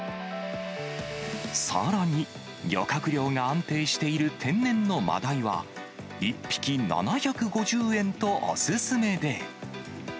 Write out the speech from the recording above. さらに、漁獲量が安定している天然のマダイは、１匹７５０円とお勧めで。